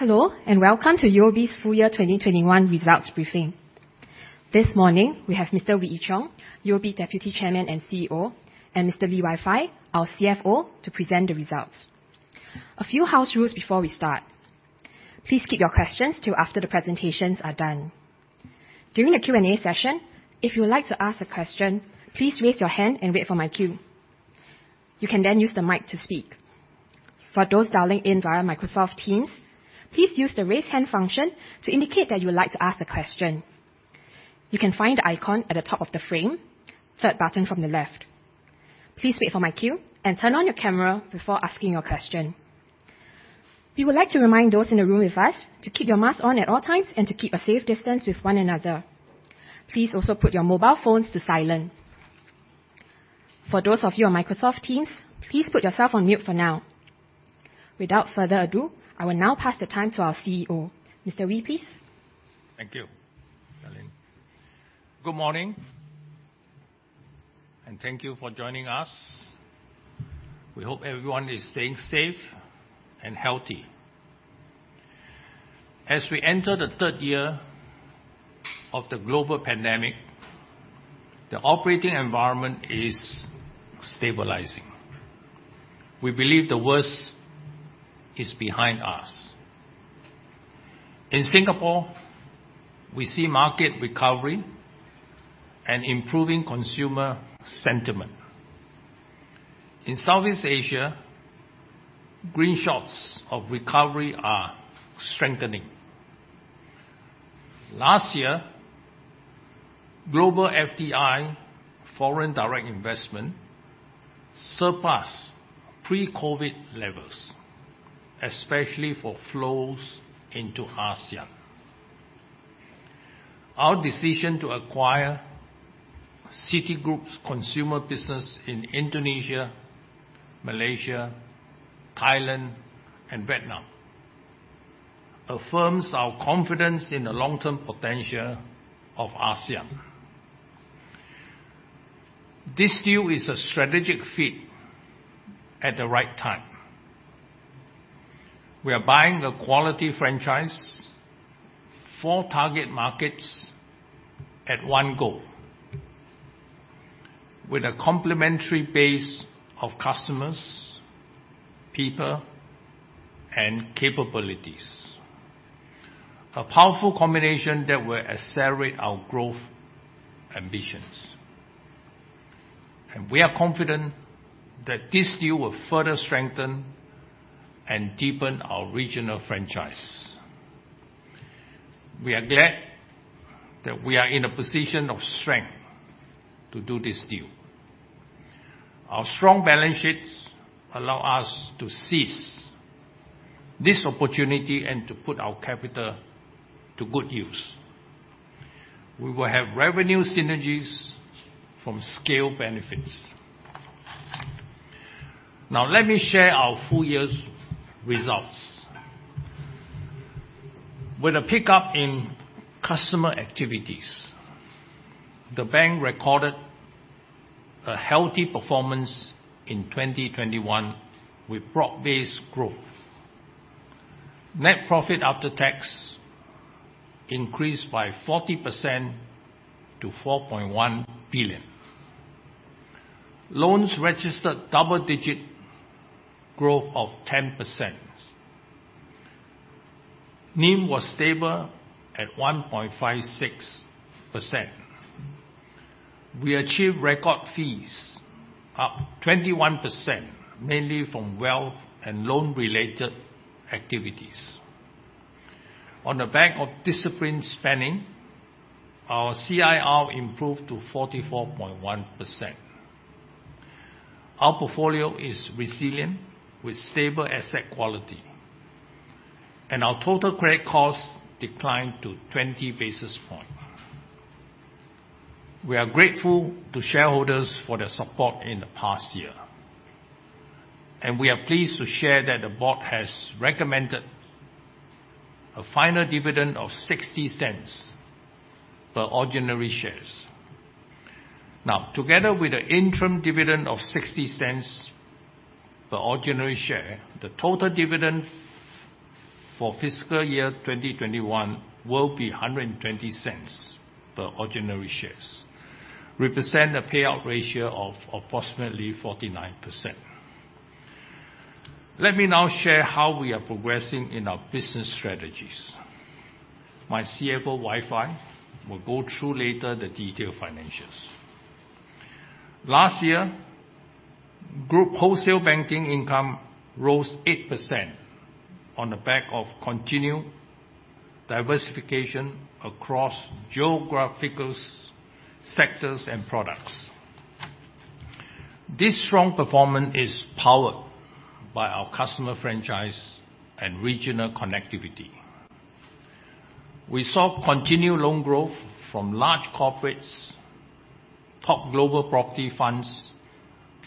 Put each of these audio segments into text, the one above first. Welcome to UOB's full year 2021 results briefing. This morning, we have Mr. Wee Ee Cheong, UOB Deputy Chairman and CEO, and Mr. Lee Wai Fai, our CFO, to present the results. A few house rules before we start. Please keep your questions till after the presentations are done. During the Q&A session, if you would like to ask a question, please raise your hand and wait for my cue. You can then use the mic to speak. For those dialing in via Microsoft Teams, please use the raise hand function to indicate that you would like to ask a question. You can find the icon at the top of the frame, third button from the left. Please wait for my cue and turn on your camera before asking your question. We would like to remind those in the room with us to keep your mask on at all times and to keep a safe distance with one another. Please also put your mobile phones to silent. For those of you on Microsoft Teams, please put yourself on mute for now. Without further ado, I will now pass the time to our CEO. Mr. Wee, please. Thank you. Good morning, thank you for joining us. We hope everyone is staying safe and healthy. As we enter the third year of the global pandemic, the operating environment is stabilizing. We believe the worst is behind us. In Singapore, we see market recovery and improving consumer sentiment. In Southeast Asia, green shots of recovery are strengthening. Last year, global FDI, foreign direct investment, surpassed pre-COVID levels, especially for flows into ASEAN. Our decision to acquire Citigroup's consumer business in Indonesia, Malaysia, Thailand, and Vietnam affirms our confidence in the long-term potential of ASEAN. This deal is a strategic fit at the right time. We are buying a quality franchise, four target markets at one go, with a complementary base of customers, people, and capabilities. A powerful combination that will accelerate our growth ambitions. We are confident that this deal will further strengthen and deepen our regional franchise. We are glad that we are in a position of strength to do this deal. Our strong balance sheets allow us to seize this opportunity and to put our capital to good use. We will have revenue synergies from scale benefits. Now, let me share our full year's results. With a pickup in customer activities, the bank recorded a healthy performance in 2021 with broad-based growth. Net profit after tax increased by 40% to 4.1 billion. Loans registered double-digit growth of 10%. NIM was stable at 1.56%. We achieved record fees up 21%, mainly from wealth and loan-related activities. On the back of disciplined spending, our CIR improved to 44.1%. Our portfolio is resilient with stable asset quality, and our total credit costs declined to 20 basis points. We are grateful to shareholders for their support in the past year. We are pleased to share that the board has recommended a final dividend of 0.60 per ordinary shares. Together with the interim dividend of 0.60 per ordinary share, the total dividend for fiscal year 2021 will be 1.20 per ordinary shares, represent a payout ratio of approximately 49%. Let me now share how we are progressing in our business strategies. My CFO, Wai Phye, will go through later the detailed financials. Last year, group wholesale banking income rose 8% on the back of continued diversification across geographical sectors and products. This strong performance is powered by our customer franchise and regional connectivity. We saw continued loan growth from large corporates, top global property funds,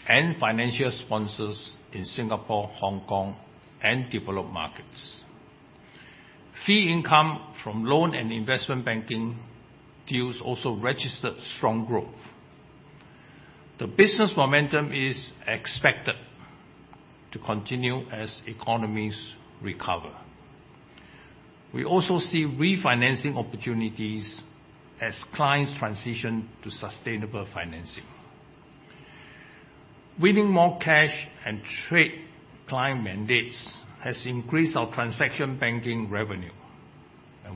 and financial sponsors in Singapore, Hong Kong, and developed markets. Fee income from loan and investment banking deals also registered strong growth. The business momentum is expected to continue as economies recover. We also see refinancing opportunities as clients transition to sustainable financing. Winning more cash and trade client mandates has increased our transaction banking revenue.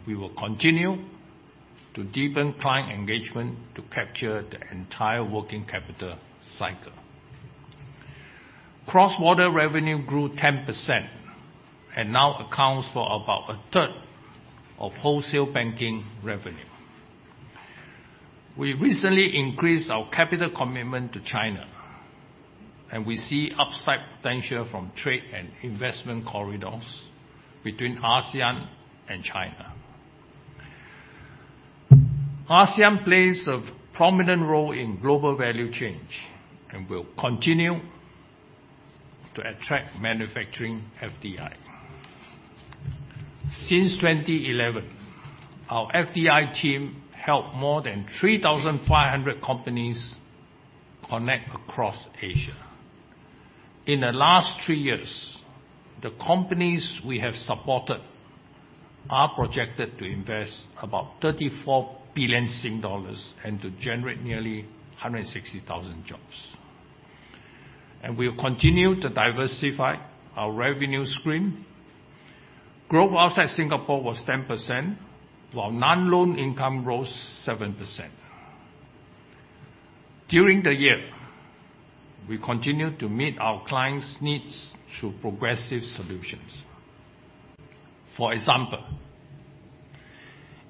We will continue to deepen client engagement to capture the entire working capital cycle. Cross-border revenue grew 10% and now accounts for about a third of wholesale banking revenue. We recently increased our capital commitment to China. We see upside potential from trade and investment corridors between ASEAN and China. ASEAN plays a prominent role in global value change and will continue to attract manufacturing FDI. Since 2011, our FDI team helped more than 3,500 companies connect across Asia. In the last three years, the companies we have supported are projected to invest about 34 billion Sing dollars and to generate nearly 160,000 jobs. We have continued to diversify our revenue stream. Growth outside Singapore was 10%, while non-loan income rose 7%. During the year, we continued to meet our clients' needs through progressive solutions. For example,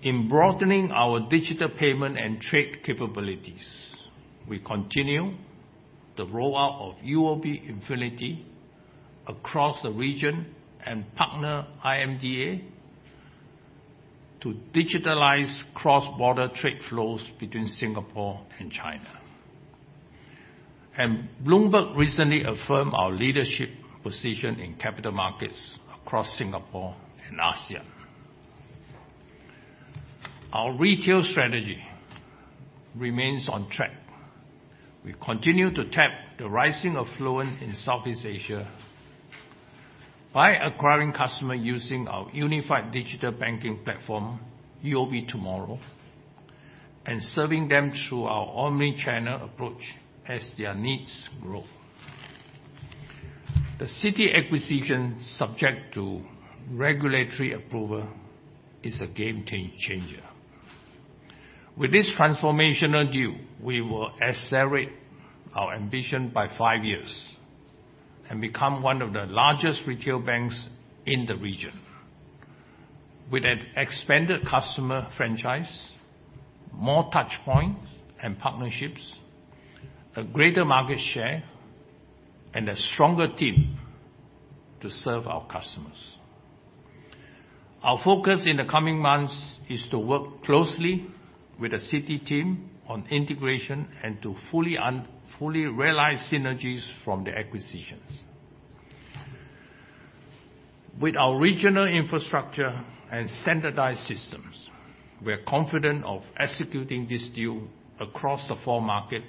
in broadening our digital payment and trade capabilities, we continue the rollout of UOB Infinity across the region and partner IMDA to digitalize cross-border trade flows between Singapore and China. Bloomberg recently affirmed our leadership position in capital markets across Singapore and Asia. Our retail strategy remains on track. We continue to tap the rising affluent in Southeast Asia by acquiring customer using our unified digital banking platform, UOB TMRW, and serving them through our omni-channel approach as their needs grow. The Citi acquisition, subject to regulatory approval, is a game changer. With this transformational deal, we will accelerate our ambition by five years and become one of the largest retail banks in the region, with an expanded customer franchise, more touch points and partnerships, a greater market share, and a stronger team to serve our customers. Our focus in the coming months is to work closely with the Citi team on integration and to fully realize synergies from the acquisitions. With our regional infrastructure and standardized systems, we are confident of executing this deal across the four market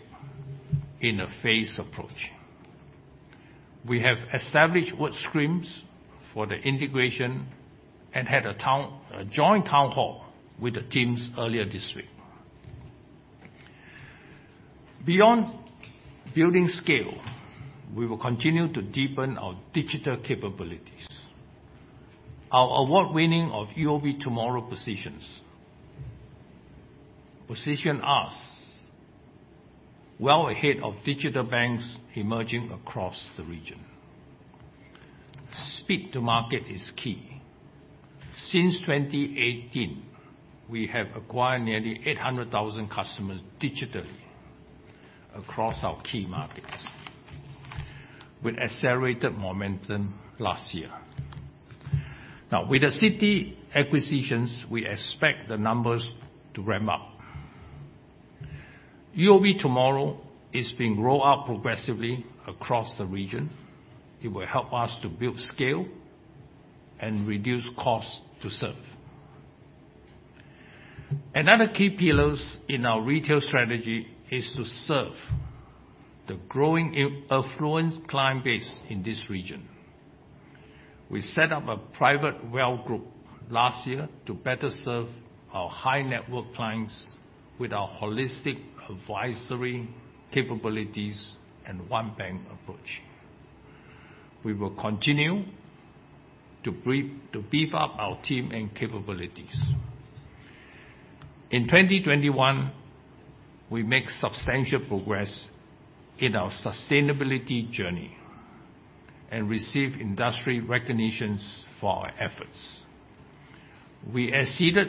in a phased approach. We have established work streams for the integration and had a joint town hall with the teams earlier this week. Beyond building scale, we will continue to deepen our digital capabilities. Our award-winning of UOB TMRW positions us well ahead of digital banks emerging across the region. Speed to market is key. Since 2018, we have acquired nearly 800,000 customers digitally across our key markets, with accelerated momentum last year. Now, with the Citi acquisitions, we expect the numbers to ramp up. UOB TMRW is being rolled out progressively across the region. It will help us to build scale and reduce costs to serve. Another key pillar in our retail strategy is to serve the growing affluent client base in this region. We set up a private wealth group last year to better serve our high-net-worth clients with our holistic advisory capabilities and one bank approach. We will continue to beef up our team and capabilities. In 2021, we make substantial progress in our sustainability journey and receive industry recognitions for our efforts. We exceeded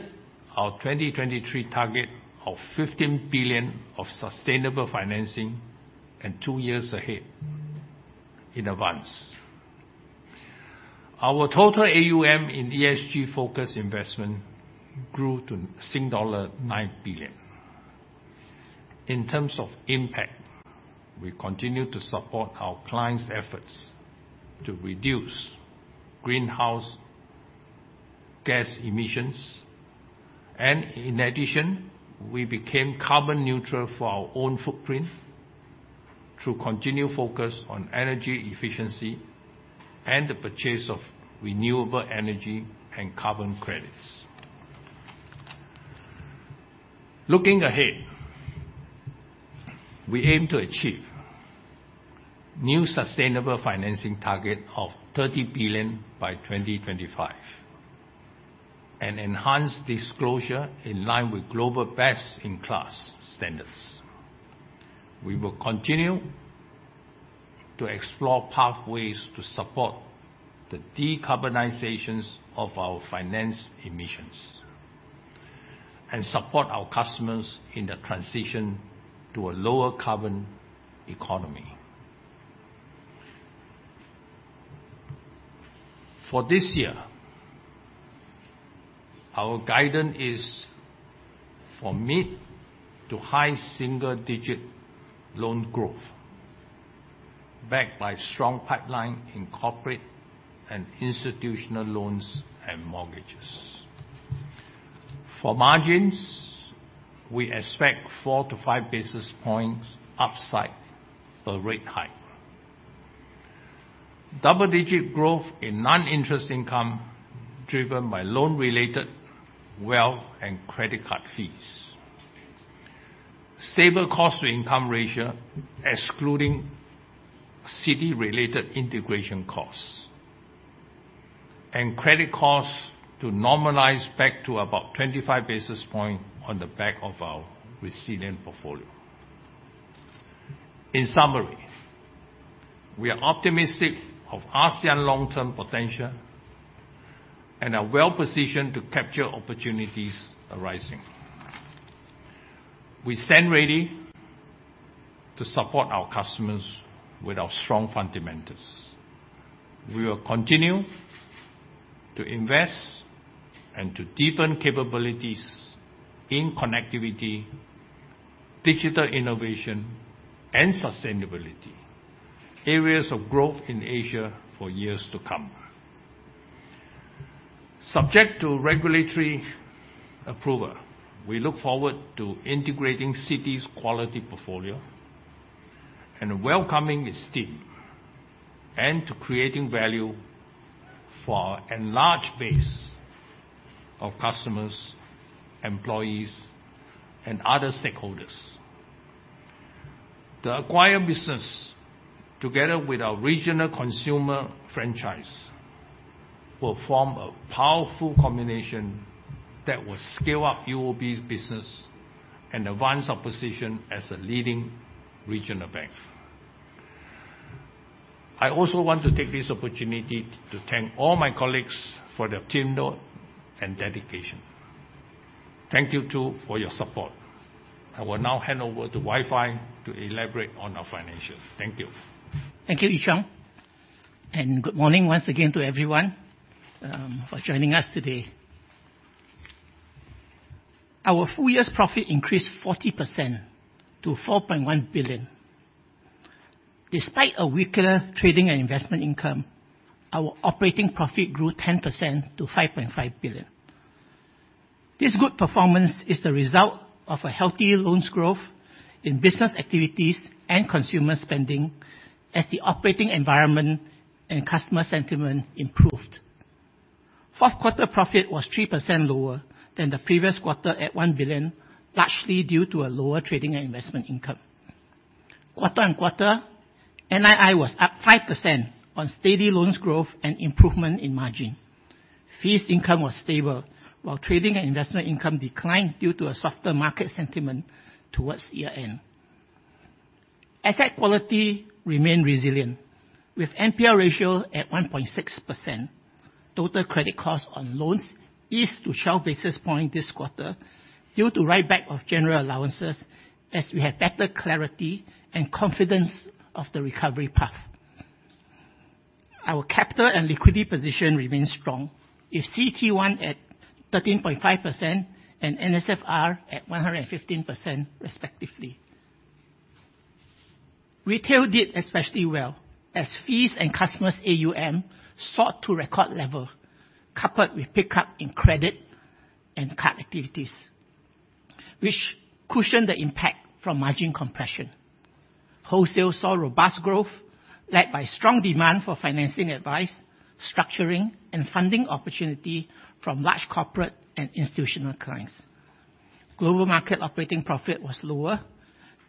our 2023 target of 15 billion of sustainable financing and 2 years ahead in advance. Our total AUM in ESG-focused investment grew to dollar 9 billion. In terms of impact, we continue to support our clients' efforts to reduce greenhouse gas emissions. In addition, we became carbon neutral for our own footprint through continued focus on energy efficiency and the purchase of renewable energy and carbon credits. Looking ahead, we aim to achieve new sustainable financing target of 30 billion by 2025 and enhance disclosure in line with global best-in-class standards. We will continue to explore pathways to support the decarbonization of our finance emissions and support our customers in their transition to a lower carbon economy. For this year, our guidance is for mid to high single-digit loan growth backed by strong pipeline in corporate and institutional loans and mortgages. For margins, we expect 4 to 5 basis points upside per rate hike. Double-digit growth in non-interest income driven by loan-related wealth and credit card fees. Stable cost-to-income ratio, excluding Citi-related integration costs, and credit costs to normalize back to about 25 basis points on the back of our resilient portfolio. In summary, we are optimistic of ASEAN long-term potential and are well-positioned to capture opportunities arising. We stand ready to support our customers with our strong fundamentals. We will continue to invest and to deepen capabilities in connectivity, digital innovation, and sustainability, areas of growth in Asia for years to come. Subject to regulatory approval, we look forward to integrating Citi's quality portfolio and welcoming its team, and to creating value for our enlarged base of customers, employees, and other stakeholders. The acquired business, together with our regional consumer franchise, will form a powerful combination that will scale up UOB's business and advance our position as a leading regional bank. I also want to take this opportunity to thank all my colleagues for their teamwork and dedication. Thank you, too, for your support. I will now hand over to Wai Phye to elaborate on our financials. Thank you. Thank you, Yee-Chong, and good morning once again to everyone for joining us today. Our full year's profit increased 40% to 4.1 billion. Despite a weaker trading and investment income, our operating profit grew 10% to 5.5 billion. This good performance is the result of a healthy loans growth in business activities and consumer spending as the operating environment and customer sentiment improved. Fourth quarter profit was 3% lower than the previous quarter at 1 billion, largely due to a lower trading and investment income. Quarter-on-quarter, NII was up 5% on steady loans growth and improvement in margin. Fees income was stable while trading and investment income declined due to a softer market sentiment towards year-end. Asset quality remained resilient with NPL ratio at 1.6%. Total credit cost on loans eased to 12 basis points this quarter due to write-back of general allowances as we had better clarity and confidence of the recovery path. Our capital and liquidity position remains strong, with CET1 at 13.5% and NSFR at 115% respectively. Retail did especially well as fees and customers' AUM sought to record level, coupled with pickup in credit and card activities, which cushioned the impact from margin compression. Wholesale saw robust growth led by strong demand for financing advice, structuring, and funding opportunity from large corporate and institutional clients. Global market operating profit was lower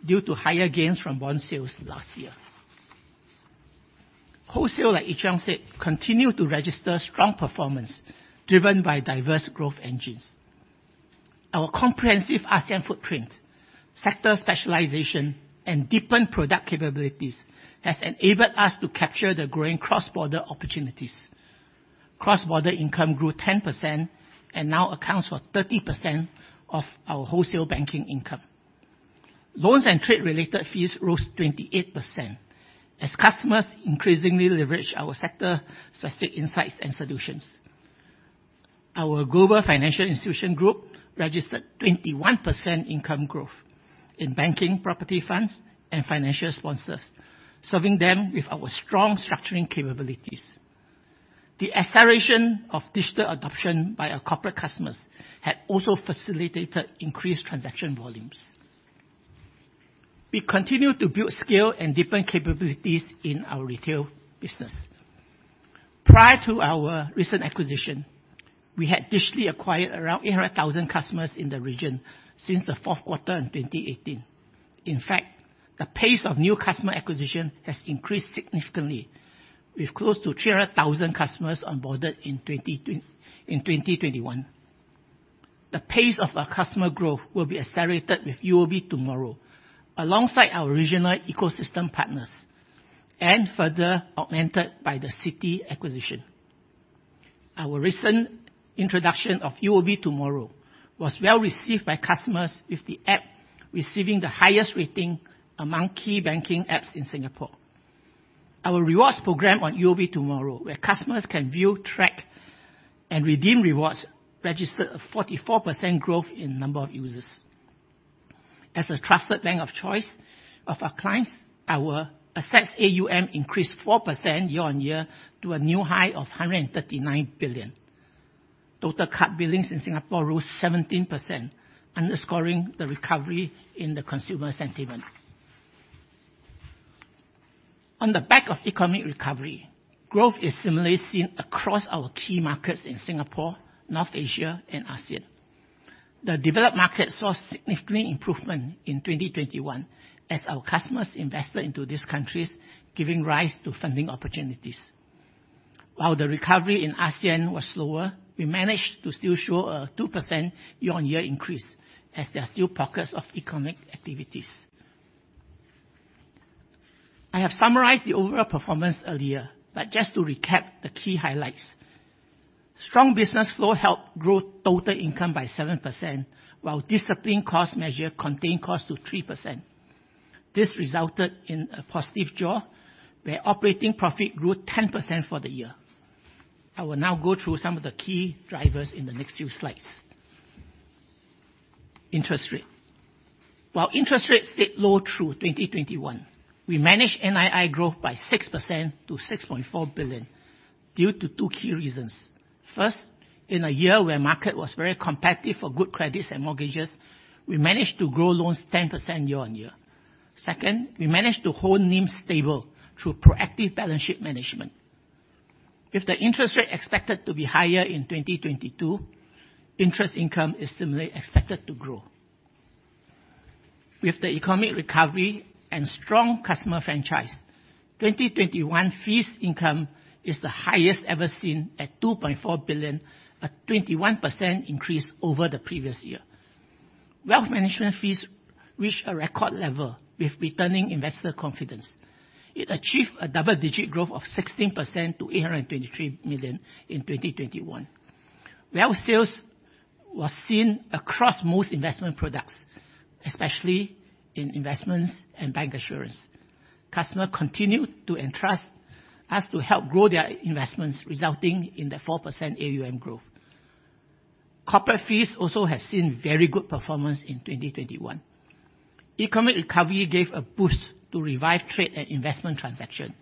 due to higher gains from bond sales last year. Wholesale, like Yee-Chong said, continued to register strong performance driven by diverse growth engines. Our comprehensive ASEAN footprint, sector specialization, and deepened product capabilities has enabled us to capture the growing cross-border opportunities. Cross-border income grew 10% and now accounts for 30% of our wholesale banking income. Loans and trade-related fees rose 28% as customers increasingly leverage our sector-specific insights and solutions. Our global financial institution group registered 21% income growth in banking, property funds, and financial sponsors, serving them with our strong structuring capabilities. The acceleration of digital adoption by our corporate customers had also facilitated increased transaction volumes. We continue to build scale and different capabilities in our retail business. Prior to our recent acquisition, we had digitally acquired around 800,000 customers in the region since the fourth quarter in 2018. In fact, the pace of new customer acquisition has increased significantly with close to 300,000 customers onboarded in 2021. The pace of our customer growth will be accelerated with UOB TMRW, alongside our regional ecosystem partners and further augmented by the Citi acquisition. Our recent introduction of UOB TMRW was well-received by customers, with the app receiving the highest rating among key banking apps in Singapore. Our rewards program on UOB TMRW, where customers can view, track, and redeem rewards, registered a 44% growth in number of users. As a trusted bank of choice of our clients, our assets AUM increased 4% year-on-year to a new high of 139 billion. Total card billings in Singapore rose 17%, underscoring the recovery in the consumer sentiment. On the back of economic recovery, growth is similarly seen across our key markets in Singapore, North Asia, and ASEAN. The developed market saw significant improvement in 2021 as our customers invested into these countries, giving rise to funding opportunities. While the recovery in ASEAN was slower, we managed to still show a 2% year-on-year increase as there are still pockets of economic activities. I have summarized the overall performance earlier, just to recap the key highlights. Strong business flow helped grow total income by 7%, while disciplined cost measure contained cost to 3%. This resulted in a positive jaws, where operating profit grew 10% for the year. I will now go through some of the key drivers in the next few slides. Interest rate. While interest rates stayed low through 2021, we managed NII growth by 6% to 6.4 billion due to two key reasons. First, in a year where market was very competitive for good credits and mortgages, we managed to grow loans 10% year-on-year. Second, we managed to hold NIM stable through proactive balance sheet management. With the interest rate expected to be higher in 2022, interest income is similarly expected to grow. With the economic recovery and strong customer franchise, 2021 fees income is the highest ever seen at 2.4 billion, a 21% increase over the previous year. Wealth management fees reached a record level with returning investor confidence. It achieved a double-digit growth of 16% to 823 million in 2021. Wealth sales was seen across most investment products, especially in investments and bank insurance. Customer continued to entrust us to help grow their investments, resulting in the 4% AUM growth. Corporate fees also has seen very good performance in 2021. Economic recovery gave a boost to revive trade and investment transaction.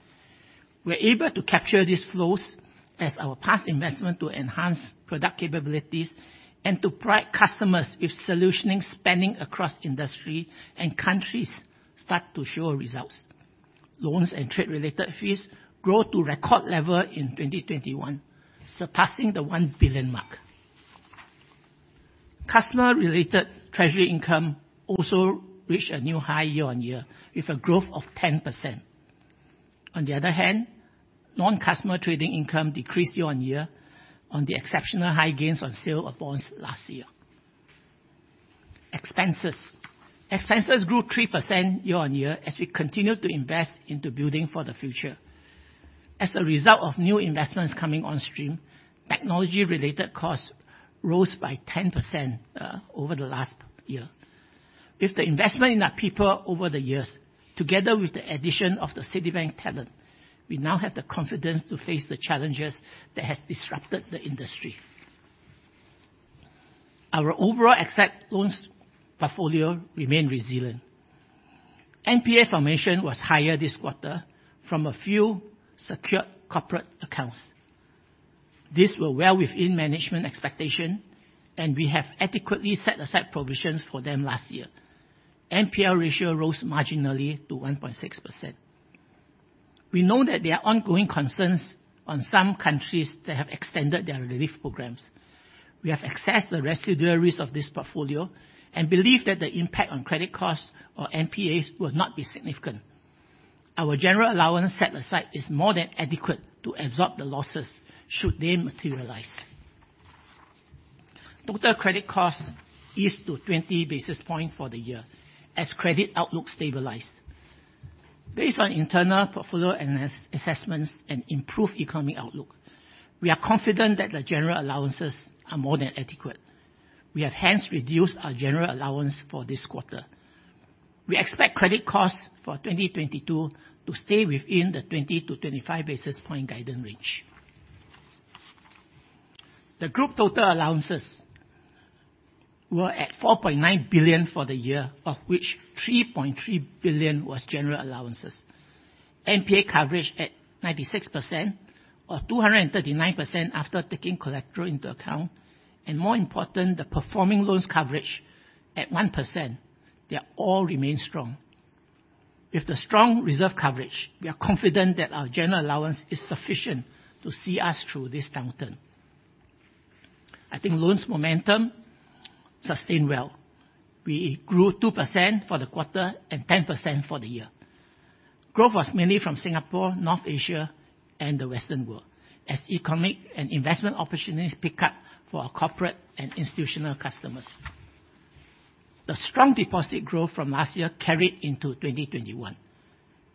We're able to capture these flows as our past investment to enhance product capabilities and to provide customers with solutioning spanning across industry and countries start to show results. Loans and trade-related fees grow to record level in 2021, surpassing the 1 billion mark. Customer-related treasury income also reached a new high year-on-year with a growth of 10%. Non-customer trading income decreased year-on-year on the exceptional high gains on sale of bonds last year. Expenses. Expenses grew 3% year-on-year as we continued to invest into building for the future. As a result of new investments coming on stream, technology-related costs rose by 10% over the last year. With the investment in our people over the years, together with the addition of the Citibank talent, we now have the confidence to face the challenges that has disrupted the industry. Our overall asset loans portfolio remain resilient. NPA formation was higher this quarter from a few secured corporate accounts. These were well within management expectation, we have adequately set aside provisions for them last year. NPA ratio rose marginally to 1.6%. We know that there are ongoing concerns on some countries that have extended their relief programs. We have assessed the residual risk of this portfolio and believe that the impact on credit costs or NPAs will not be significant. Our general allowance set aside is more than adequate to absorb the losses should they materialize. Total credit cost is to 20 basis points for the year as credit outlook stabilized. Based on internal portfolio assessments and improved economic outlook, we are confident that the general allowances are more than adequate. We have hence reduced our general allowance for this quarter. We expect credit costs for 2022 to stay within the 20 to 25 basis points guidance range. The group total allowances were at 4.9 billion for the year, of which 3.3 billion was general allowances. NPA coverage at 96%, or 239% after taking collateral into account, and more important, the performing loans coverage at 1%, they all remain strong. With the strong reserve coverage, we are confident that our general allowance is sufficient to see us through this downturn. I think loans momentum sustained well. We grew 2% for the quarter and 10% for the year. Growth was mainly from Singapore, North Asia, and the Western world, as economic and investment opportunities pick up for our corporate and institutional customers. The strong deposit growth from last year carried into 2021.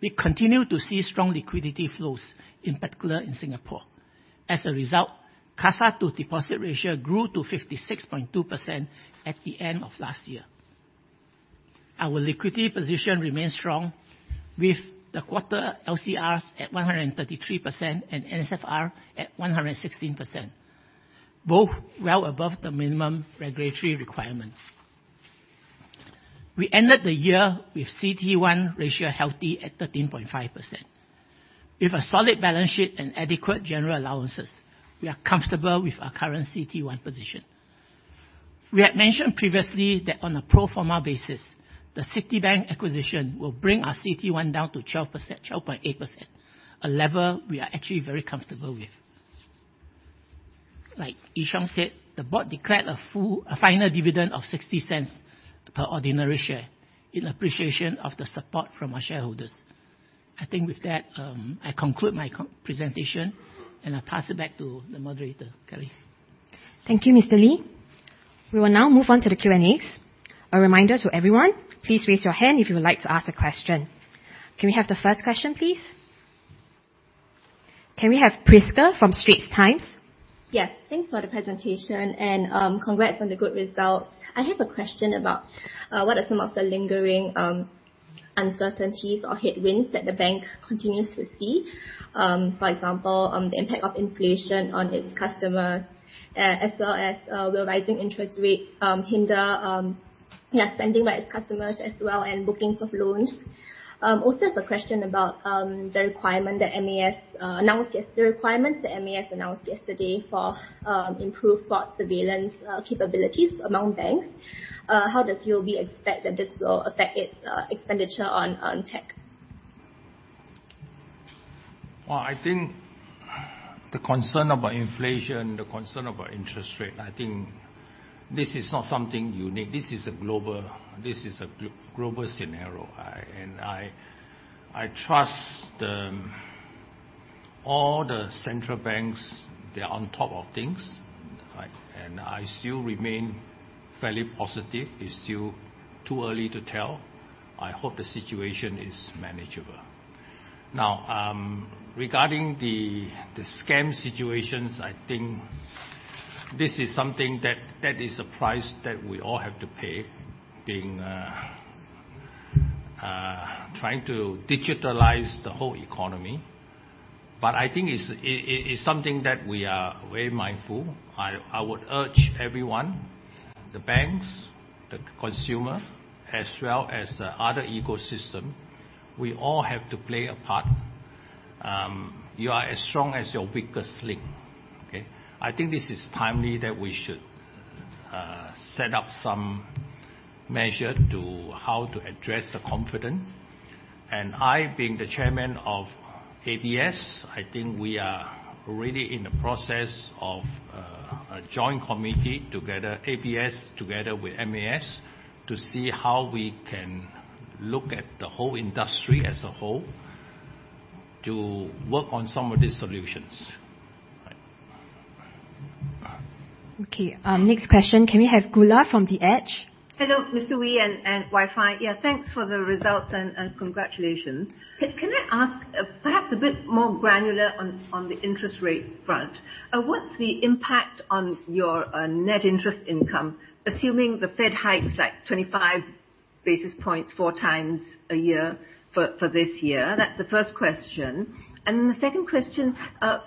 We continue to see strong liquidity flows, in particular in Singapore. As a result, CASA to deposit ratio grew to 56.2% at the end of last year. Our liquidity position remains strong with the quarter LCRs at 133% and NSFR at 116%, both well above the minimum regulatory requirements. We ended the year with CET1 ratio healthy at 13.5%. With a solid balance sheet and adequate general allowances, we are comfortable with our current CET1 position. We had mentioned previously that on a pro forma basis, the Citibank acquisition will bring our CET1 down to 12.8%, a level we are actually very comfortable with. Like Yi Shang said, the board declared a final dividend of 0.60 per ordinary share in appreciation of the support from our shareholders. I think with that, I conclude my presentation, and I pass it back to the moderator, Kelly. Thank you, Mr. Lee. We will now move on to the Q&As. A reminder to everyone, please raise your hand if you would like to ask a question. Can we have the first question, please? Can we have Prisca from The Straits Times? Yes. Thanks for the presentation and congrats on the good results. I have a question about what are some of the lingering uncertainties or headwinds that the bank continues to see. For example, the impact of inflation on its customers, as well as will rising interest rates hinder spending by its customers as well and bookings of loans. Also have a question about the requirements that MAS announced yesterday for improved fraud surveillance capabilities among banks. How does UOB expect that this will affect its expenditure on tech? Well, I think the concern about inflation, the concern about interest rate, I think this is not something unique. This is a global scenario. I trust all the central banks, they are on top of things. I still remain fairly positive. It's still too early to tell. I hope the situation is manageable. Now, regarding the scam situations, I think this is something that is a price that we all have to pay, trying to digitalize the whole economy. I think it's something that we are very mindful. I would urge everyone, the banks, the consumer, as well as the other ecosystem, we all have to play a part. You are as strong as your weakest link, okay. I think this is timely that we should set up some measure to how to address the confidence. I, being the Chairman of ABS, I think we are already in the process of a joint committee together, ABS together with MAS, to see how we can look at the whole industry as a whole to work on some of these solutions. Okay. Next question. Can we have Goola from The Edge? Hello, Mr. Wee and Wai Fai. Yeah, thanks for the results and congratulations. Can I ask perhaps a bit more granular on the interest rate front? What's the impact on your net interest income, assuming the Fed hikes like 25 basis points four times a year for this year? That's the first question. The second question,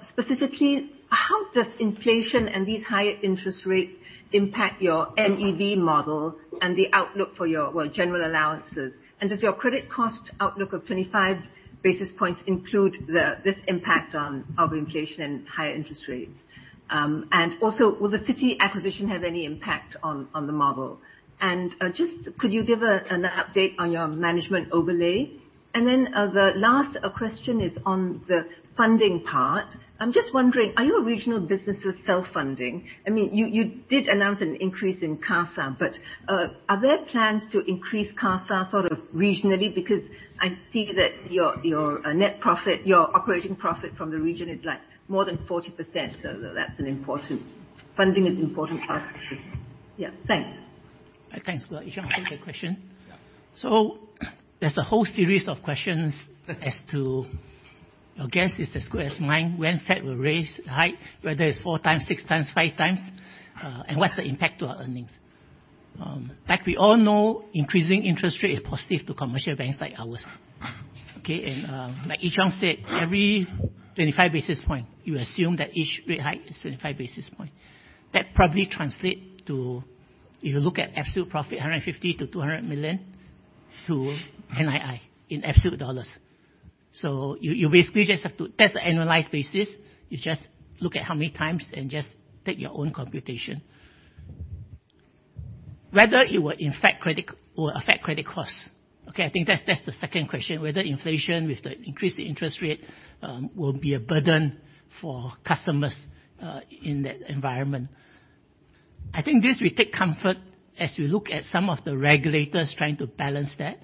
specifically, how does inflation and these higher interest rates impact your MEV model and the outlook for your general allowances? Does your credit cost outlook of 25 basis points include this impact of inflation and higher interest rates? Also, will the Citi acquisition have any impact on the model? Just could you give an update on your management overlay? The last question is on the funding part. I'm just wondering, are your regional businesses self-funding? You did announce an increase in CASA, but are there plans to increase CASA sort of regionally? Because I see that your operating profit from the region is more than 40%, so funding is important part. Yeah, thanks. Thanks, Goola. Yi Shang, take the question. Yeah. There's a whole series of questions as to, your guess is as good as mine, when Fed will raise, hike, whether it's four times, six times, five times, and what's the impact to our earnings. Like we all know, increasing interest rate is positive to commercial banks like ours. Okay, and like E-Chong said, every 25 basis point, you assume that each rate hike is 25 basis point. That probably translate to, if you look at absolute profit, 150 million-200 million to NII in absolute dollars. You basically just have to That's the annualized basis. You just look at how many times and just take your own computation. Whether it will affect credit costs, okay, I think that's the second question, whether inflation with the increased interest rate will be a burden for customers in that environment. We take comfort as we look at some of the regulators trying to balance that.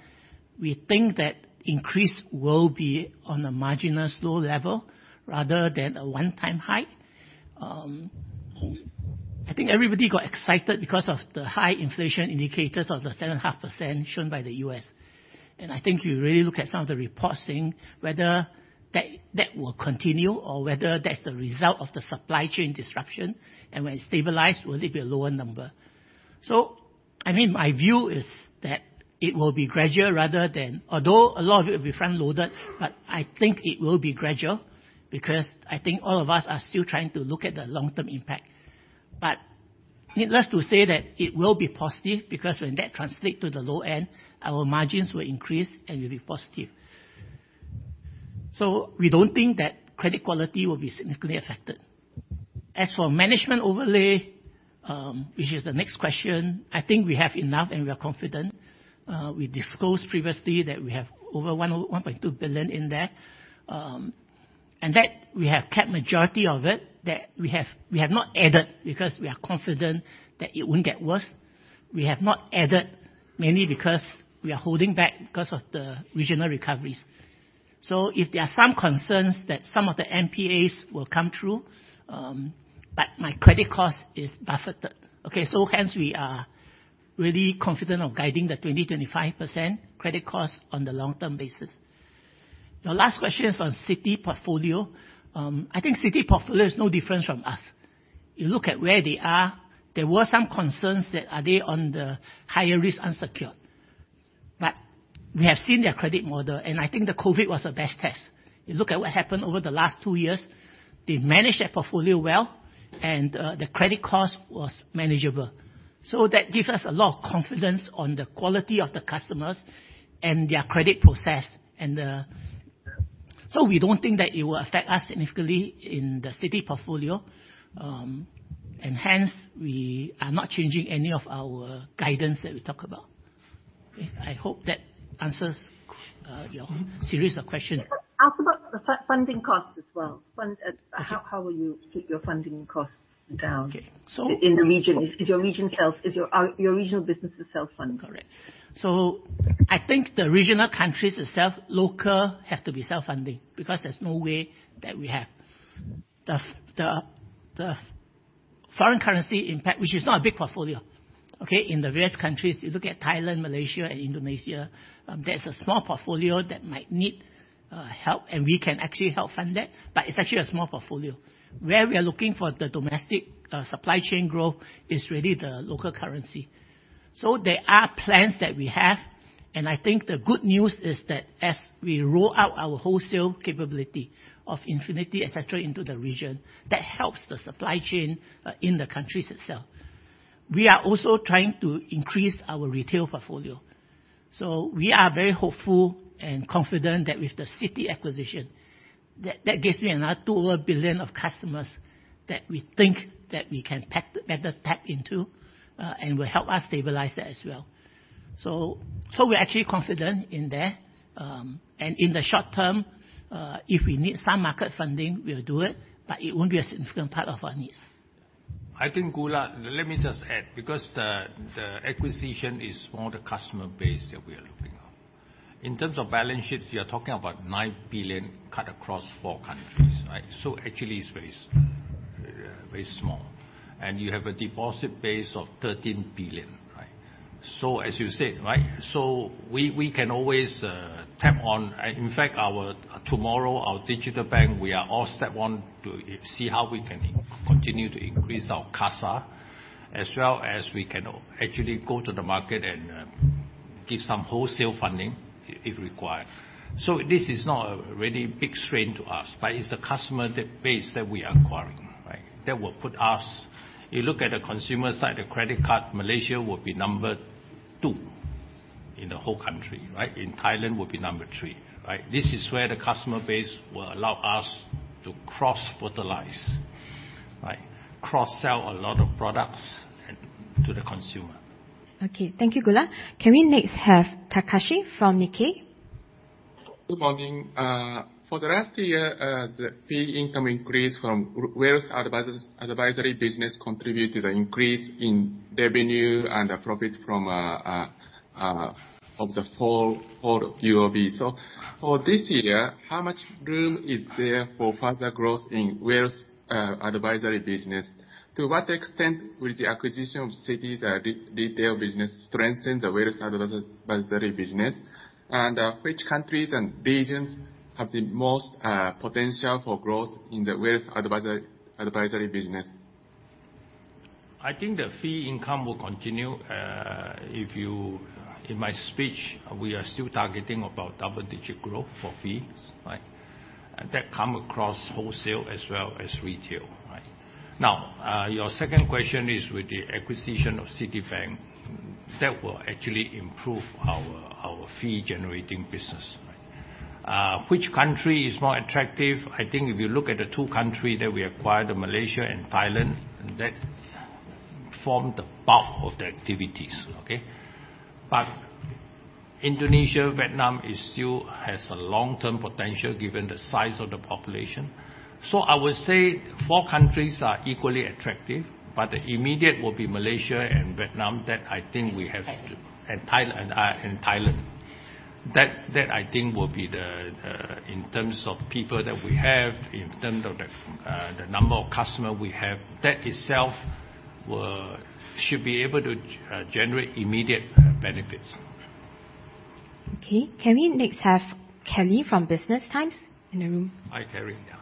We think that increase will be on a marginal slow level rather than a one-time hike. I think everybody got excited because of the high inflation indicators of the 7.5% shown by the U.S. You really look at some of the reports saying whether that will continue or whether that's the result of the supply chain disruption, and when it stabilize, will it be a lower number? My view is that it will be gradual rather than Although a lot of it will be front-loaded, but I think it will be gradual because I think all of us are still trying to look at the long-term impact. Needless to say that it will be positive, because when that translate to the low end, our margins will increase and will be positive. We don't think that credit quality will be significantly affected. As for management overlay, which is the next question, I think we have enough and we are confident. We disclosed previously that we have over 1.2 billion in there, and that we have kept majority of it, that we have not added because we are confident that it won't get worse. We have not added mainly because we are holding back because of the regional recoveries. If there are some concerns that some of the NPAs will come through, but my credit cost is buffeted. Hence we are really confident of guiding the 2025% credit cost on the long-term basis. Your last question is on Citi portfolio. I think Citi portfolio is no different from us. You look at where they are. There were some concerns that are they on the higher risk unsecured? We have seen their credit model, and I think the COVID was the best test. You look at what happened over the last two years, they managed their portfolio well, and the credit cost was manageable. That gives us a lot of confidence on the quality of the customers and their credit process. We don't think that it will affect us significantly in the Citi portfolio. Hence, we are not changing any of our guidance that we talk about. I hope that answers your series of question. How about the funding cost as well? How will you keep your funding costs down? Okay. In the region, is your regional businesses self-funded? Correct. I think the regional countries itself, local, have to be self-funding because there's no way that we have the foreign currency impact, which is not a big portfolio, okay, in the various countries. You look at Thailand, Malaysia and Indonesia, there's a small portfolio that might need help, and we can actually help fund that, but it's actually a small portfolio. Where we are looking for the domestic supply chain growth is really the local currency. There are plans that we have, and I think the good news is that as we roll out our wholesale capability of UOB Infinity, et cetera, into the region, that helps the supply chain in the countries itself. We are also trying to increase our retail portfolio. We are very hopeful and confident that with the Citi acquisition, that gives me another 2 over billion of customers that we think that we can better tap into, and will help us stabilize that as well. We're actually confident in there. In the short term, if we need some market funding, we'll do it, but it won't be a significant part of our needs. I think, Goola, let me just add, because the acquisition is more the customer base that we are looking at. In terms of balance sheets, you are talking about 9 billion cut across 4 countries, right? Actually it's very small. You have a deposit base of 13 billion, right? As you said, right, we can always tap on In fact, UOB TMRW, our digital bank, we are all step one to see how we can continue to increase our CASA, as well as we can actually go to the market and give some wholesale funding if required. This is not a really big strain to us, but it's a customer base that we are acquiring, right? That will put us You look at the consumer side, the credit card, Malaysia will be number 2 in the whole country. Right? In Thailand, we'll be number 3. Right? This is where the customer base will allow us to cross-fertilize. Right? Cross-sell a lot of products to the consumer. Okay. Thank you, Gulat. Can we next have Takashi from Nikkei? Good morning. For the last year, the fee income increase from wealth advisory business contributed an increase in revenue and the profit from the whole UOB. How much room is there for further growth in wealth advisory business? To what extent will the acquisition of Citi's retail business strengthen the wealth advisory business? Which countries and regions have the most potential for growth in the wealth advisory business? I think the fee income will continue. In my speech, we are still targeting about double-digit growth for fees. Right. That come across wholesale as well as retail. Right. Now, your second question is with the acquisition of Citibank. That will actually improve our fee-generating business. Right. Which country is more attractive? I think if you look at the two country that we acquired, the Malaysia and Thailand, that form the bulk of the activities. Okay. Indonesia, Vietnam, it still has a long-term potential given the size of the population. I would say four countries are equally attractive, but the immediate will be Malaysia and Thailand. That I think will be, in terms of people that we have, in terms of the number of customer we have, that itself should be able to generate immediate benefits. Okay. Can we next have Kelly from Business Times? In the room. Hi, Kelly. Yeah.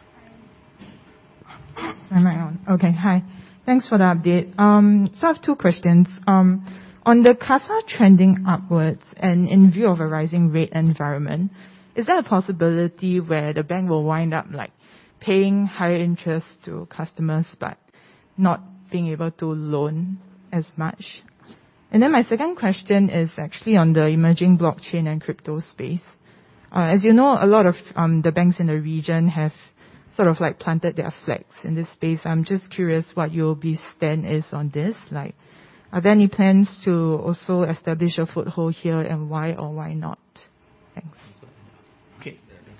Am I on? Okay. Hi. Thanks for the update. I have two questions. On the CASA trending upwards and in view of a rising rate environment, is there a possibility where the bank will wind up paying higher interest to customers but not being able to loan as much? My second question is actually on the emerging blockchain and crypto space. As you know, a lot of the banks in the region have sort of planted their flags in this space. I'm just curious what UOB's stand is on this. Are there any plans to also establish a foothold here, and why or why not? Thanks.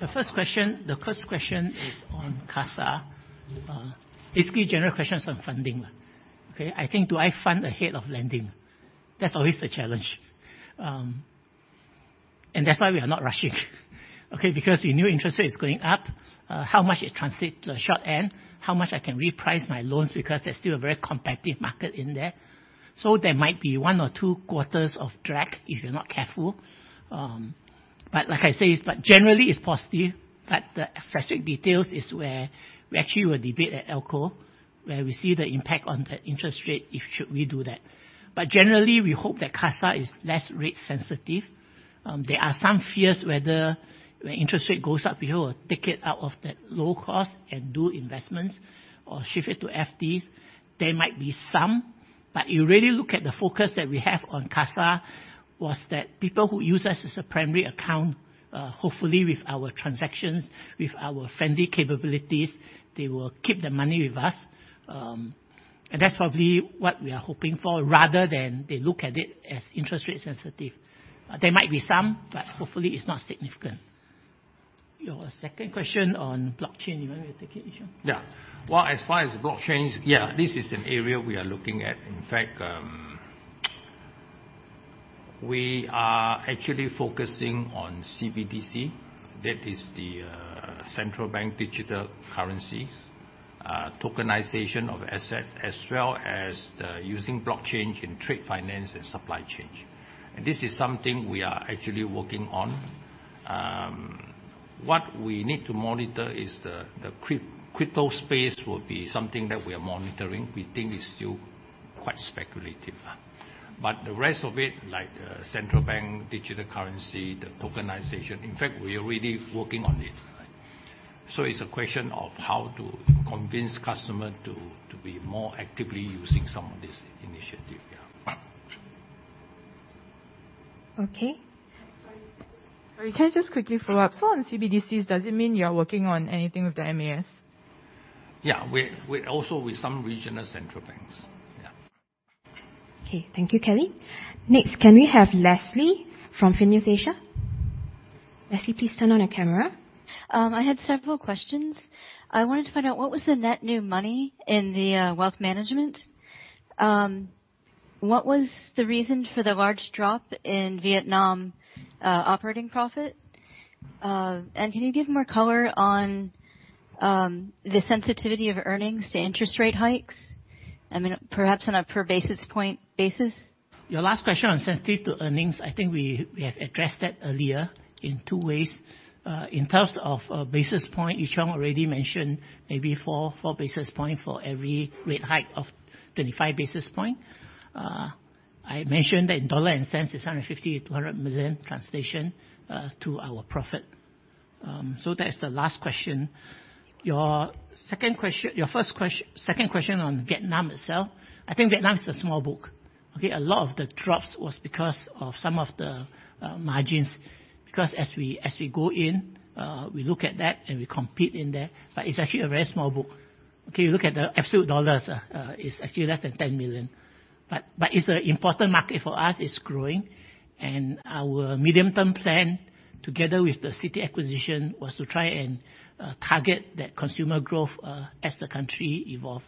The first question is on CASA. Basically, general questions on funding. I think, do I fund ahead of lending? That's always the challenge. That's why we are not rushing. Because we knew interest rate is going up, how much it translate to the short end, how much I can reprice my loans, because there's still a very competitive market in there. There might be one or two quarters of drag if you're not careful. Like I say, but generally, it's positive, but the specific details is where we actually will debate at ALCO, where we see the impact on the interest rate if should we do that. Generally, we hope that CASA is less rate sensitive. There are some fears whether when interest rate goes up, people will take it out of that low cost and do investments or shift it to FD. There might be some, but you really look at the focus that we have on CASA was that people who use us as a primary account, hopefully with our transactions, with our friendly capabilities, they will keep their money with us. That's probably what we are hoping for, rather than they look at it as interest rate sensitive. There might be some, but hopefully it's not significant. Your second question on blockchain, you want to take it, Yee-Chong? As far as blockchain, this is an area we are looking at. In fact, we are actually focusing on CBDC. That is the Central Bank Digital Currencies, tokenization of asset, as well as the using blockchain in trade finance and supply chain. This is something we are actually working on. What we need to monitor is the crypto space will be something that we are monitoring. We think it's still quite speculative. The rest of it, like Central Bank Digital Currency, the tokenization, in fact, we are really working on it. It's a question of how to convince customer to be more actively using some of this initiative. Sorry, can I just quickly follow up? On CBDCs, does it mean you're working on anything with the MAS? Yeah. Also with some regional central banks. Yeah. Okay. Thank you, Kelly. Next, can we have Leslie from finews.asia? Leslie, please turn on your camera. I had several questions. I wanted to find out what was the net new money in the wealth management? What was the reason for the large drop in Vietnam operating profit? Can you give more color on the sensitivity of earnings to interest rate hikes? Perhaps on a per basis point basis? Your last question on sensitive to earnings, I think we have addressed that earlier in two ways. In terms of basis point, Yee-Chong already mentioned maybe four basis point for every rate hike of 25 basis point. I mentioned that in dollar and cents it's 150 million-200 million translation to our profit. That is the last question. Your second question on Vietnam itself, I think Vietnam is a small book. Okay? A lot of the drops was because of some of the margins. As we go in, we look at that and we compete in there. It's actually a very small book. Okay? You look at the absolute dollars, it's actually less than 10 million. It's an important market for us. It's growing. Our medium-term plan, together with the Citi acquisition, was to try and target that consumer growth as the country evolve.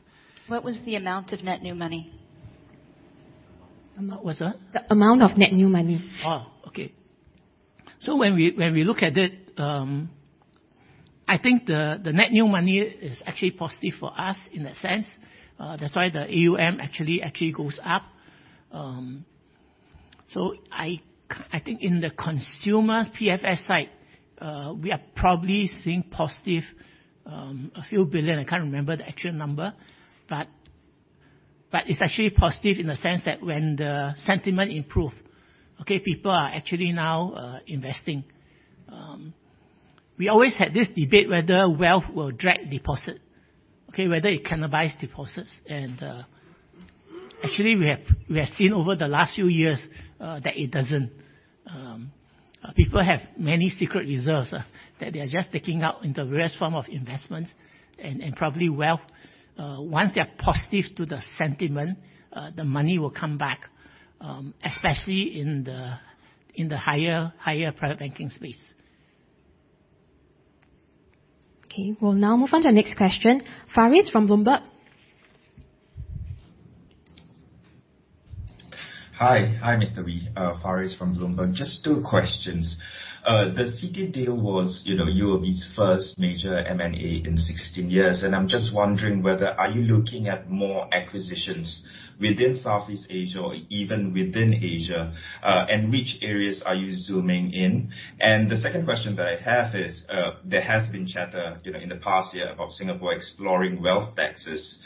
What was the amount of net new money? What's that? The amount of net new money. Oh, okay. When we look at it, I think the net new money is actually positive for us in that sense. That's why the AUM actually goes up. I think in the consumer PFS side, we are probably seeing positive SGD a few billion. I can't remember the actual number. It's actually positive in the sense that when the sentiment improve, people are actually now investing. We always had this debate whether wealth will drag deposit? Whether it cannibalize deposits. Actually, we have seen over the last few years, that it doesn't. People have many secret reserves that they are just taking out in the various form of investments and probably wealth. Once they are positive to the sentiment, the money will come back, especially in the higher private banking space. Okay. We'll now move on to the next question. Faris from Bloomberg. Hi, Mr. Wee. Faris from Bloomberg. Just two questions. The Citi deal was UOB's first major M&A in 16 years, I'm just wondering whether, are you looking at more acquisitions within Southeast Asia or even within Asia, and which areas are you zooming in? The second question that I have is, there has been chatter in the past year about Singapore exploring wealth taxes.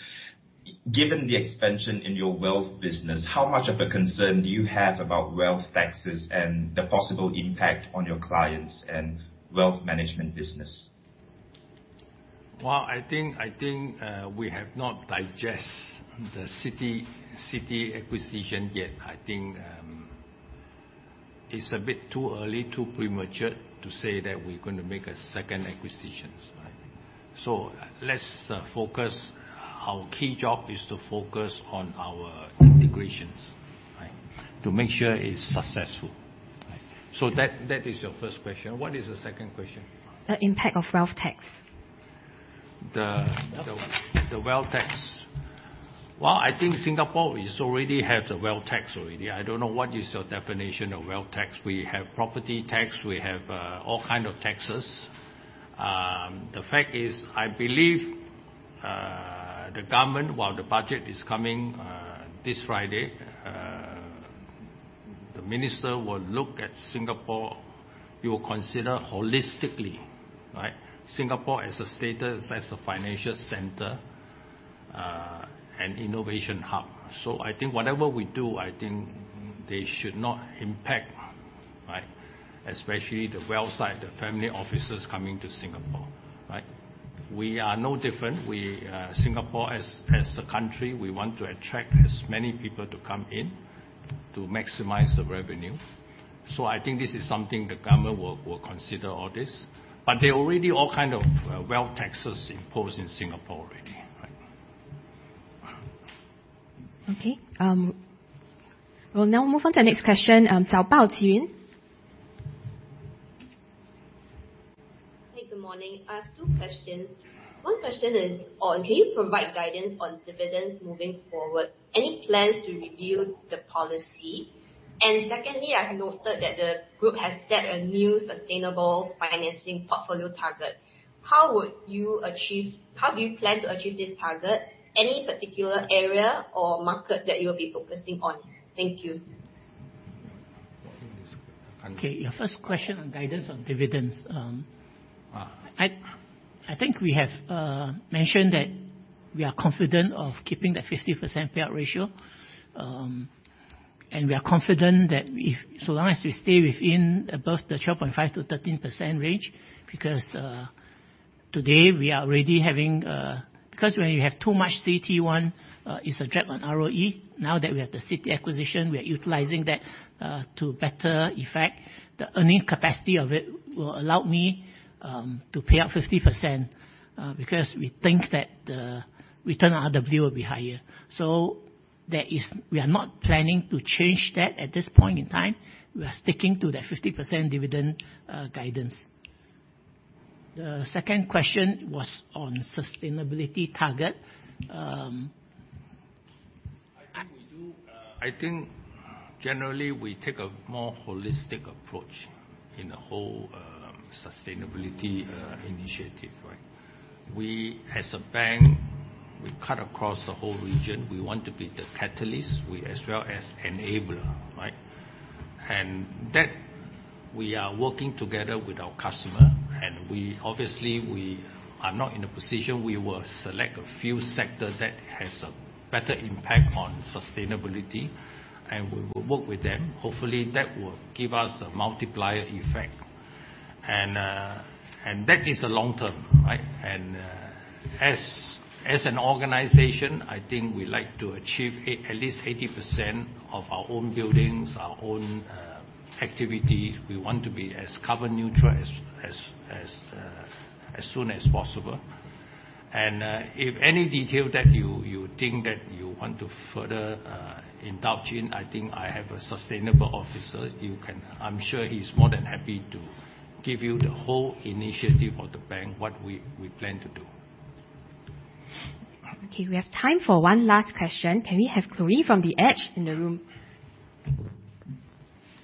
Given the expansion in your wealth business, how much of a concern do you have about wealth taxes and the possible impact on your clients and wealth management business? Well, I think we have not digest the Citi acquisition yet. I think it's a bit too early, too premature to say that we're going to make a second acquisitions, right? Let's focus. Our key job is to focus on our integrations, right? To make sure it's successful. That is your first question. What is the second question? The impact of wealth tax. The wealth tax. Well, I think Singapore already has a wealth tax already. I don't know what is your definition of wealth tax. We have property tax. We have all kind of taxes. The fact is, I believe, the government, while the budget is coming this Friday, the minister will look at Singapore, he will consider holistically, right, Singapore as a status, as a financial center, and innovation hub. I think whatever we do, I think they should not impact, right, especially the wealth side, the family offices coming to Singapore. Right? We are no different. Singapore as a country, we want to attract as many people to come in to maximize the revenue. I think this is something the government will consider all this. There are already all kind of wealth taxes imposed in Singapore already. Right? Okay. We'll now move on to our next question, Zhao Baojun. Hey, good morning. I have two questions. One question is on, can you provide guidance on dividends moving forward? Any plans to review the policy? Secondly, I have noted that the group has set a new sustainable financing portfolio target. How do you plan to achieve this target? Any particular area or market that you'll be focusing on? Thank you. Okay, your first question on guidance on dividends. I think we have mentioned that we are confident of keeping that 50% payout ratio, we are confident that so long as we stay within above the 12.5%-13% range, because when you have too much CET1, it's a drag on ROE. Now that we have the Citi acquisition, we are utilizing that to better effect. The earning capacity of it will allow me to pay out 50%, because we think that the return on RWA will be higher. We are not planning to change that at this point in time. We are sticking to the 50% dividend guidance. The second question was on sustainability target. I think generally we take a more holistic approach in the whole sustainability initiative, right? We as a bank, we cut across the whole region. We want to be the catalyst, as well as enabler, right? That we are working together with our customer, and obviously, we are not in a position we will select a few sectors that has a better impact on sustainability, and we will work with them. Hopefully, that will give us a multiplier effect. That is the long term, right? As an organization, I think I like to achieve at least 80% of our own buildings, our own activity. We want to be as carbon neutral as soon as possible. If any detail that you think that you want to further indulge in, I think I have a sustainable officer. I'm sure he's more than happy to give you the whole initiative of the bank, what we plan to do. We have time for one last question. Can we have Chloe from The Edge in the room?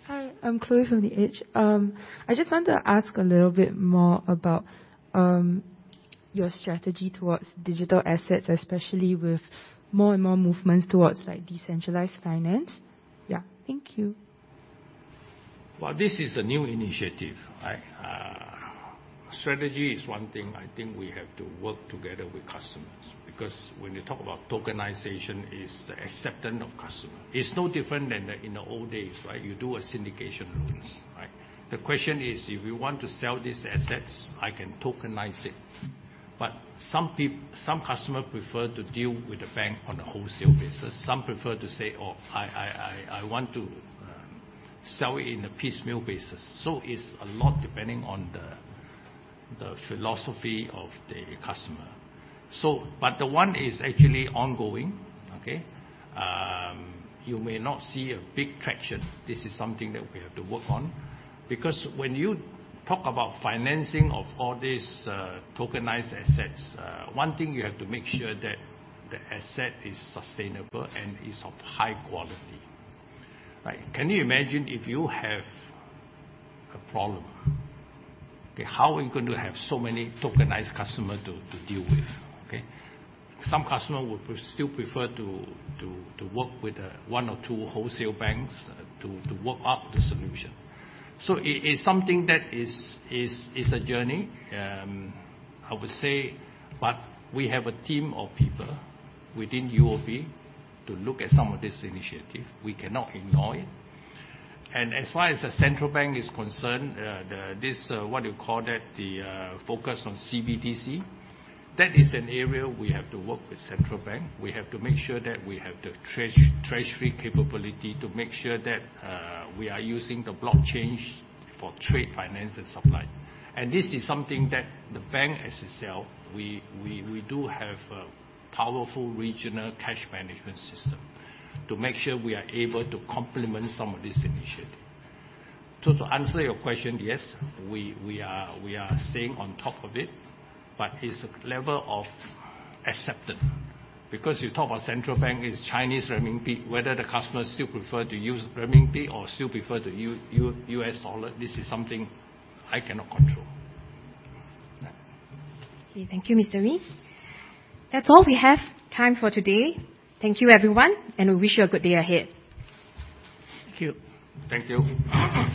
Hi, I'm Chloe from The Edge. I just want to ask a little bit more about your strategy towards digital assets, especially with more and more movements towards decentralized finance? Yeah. Thank you. This is a new initiative. Strategy is one thing. I think we have to work together with customers, because when you talk about tokenization, it's the acceptance of customer. It's no different than in the old days. You do a syndication loans. The question is, if you want to sell these assets, I can tokenize it. Some customer prefer to deal with the bank on a wholesale basis. Some prefer to say, "Oh, I want to sell it in a piecemeal basis." It's a lot depending on the philosophy of the customer. The one is actually ongoing. You may not see a big traction. This is something that we have to work on, because when you talk about financing of all these tokenized assets, one thing you have to make sure that the asset is sustainable and is of high quality. Can you imagine if you have a problem? How are you going to have so many tokenized customer to deal with? Some customer would still prefer to work with one or two wholesale banks to work out the solution. It is something that is a journey, I would say, but we have a team of people within UOB to look at some of this initiative. We cannot ignore it. As far as the central bank is concerned, what do you call that, the focus on CBDC, that is an area we have to work with central bank. We have to make sure that we have the treasury capability to make sure that we are using the blockchain for trade finance and supply. This is something that the bank as itself, we do have a powerful regional cash management system to make sure we are able to complement some of this initiative. To answer your question, yes, we are staying on top of it, but it's a level of acceptance, because you talk about central bank, it's Chinese renminbi, whether the customer still prefer to use renminbi or still prefer to use US dollar, this is something I cannot control. Okay. Thank you, Mr. Wee. That's all we have time for today. Thank you, everyone, and we wish you a good day ahead. Thank you. Thank you.